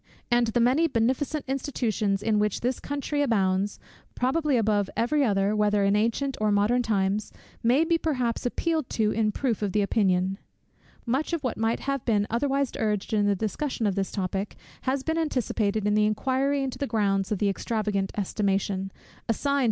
And the many beneficent institutions in which this country abounds, probably above every other, whether in ancient or modern times, may be perhaps appealed to in proof of the opinion. Much of what might have been otherwise urged in the discussion of this topic, has been anticipated in the inquiry into the grounds of the extravagant estimation, assigned to amiable tempers and useful lives, when unconnected with religious principle.